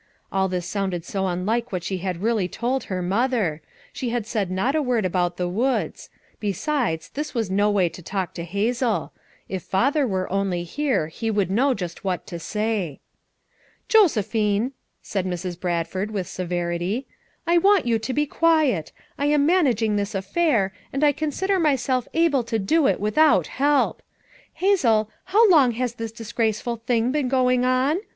All this sounded so unlike what she had really told her mother; she had said not a word about the woods; besides, this was no way to talk to Hazel ; if father were only here he would know just what to say. " Josephine,' ' said Mrs. Bradford with severity, "I want you to be quiet; I am manag ing this affair, and I consider myself able to do it without help. Hazel, how long has this disgraceful thing been going on?